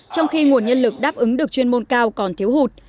trong khi nguồn nhân lực đáp ứng được chuyên môn cao còn thiếu hụt